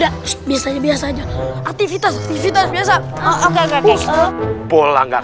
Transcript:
kema juga ternyata